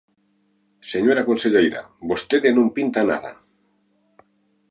Señora conselleira, vostede non pinta nada.